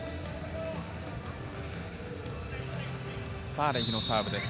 サーレヒのサーブです。